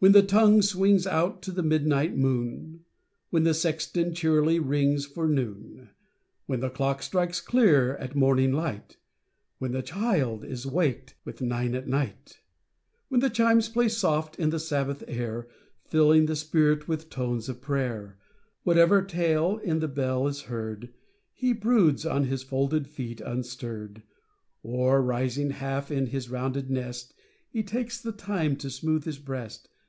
When the tonirue swino;s out to the midnin; ht moon— When the sexton checrly rings for noon — When the clock strikes clear at morning light — When the child is waked with " nine at night" — When the chimes play soft in the Sabbath air. Filling the spirit with tones of prayer Whatever tale in the bell is heard, lie broods on his folded feet unstirr'd, Oi, rising half in his rounded nest. He takes the time to smooth his breast.